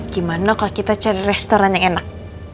gimana kalau kita cari restoran yang enak